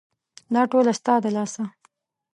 دا ټوله ستا د لاسه !